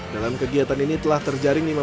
dalam kegiatan ini telah terjaring